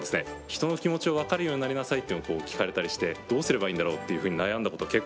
人の気持ちを分かるようになりなさいって聞かれたりしてどうすればいいんだろうっていうふうに悩んだこと結構あったんですね。